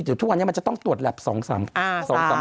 แต่ทุกวันนี้มันจะต้องตรวจแหลป๒๓แหลปอยู่